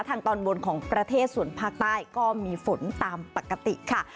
ทางตอนบนของประเทศส่วนภาคใต้ก็มีฝนตามปกติค่ะ